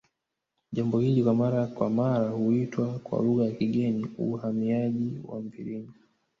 Jambo hili la mara kwa mara huitwa kwa lugha ya kigeni uhamiaji wa mviringo